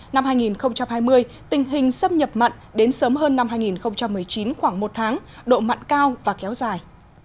năm hai nghìn hai mươi tình hình xâm nhập mặn đến sớm hơn năm hai nghìn một mươi chín khoảng một tháng độ mặn cao và kéo dài